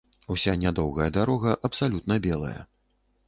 Уся нядоўгая дарога абсалютна белая.